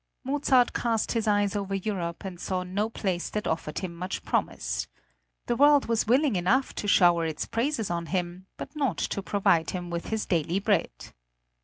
Mozart cast his eyes over Europe and saw no place that offered him much promise. The world was willing enough to shower its praises on him, but not to provide him with his daily bread.